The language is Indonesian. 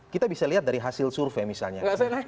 kita bisa lihat dari hasil survei misalnya